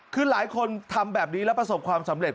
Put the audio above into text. คือหลายคนทำแบบนี้แล้วประสบความสำเร็จ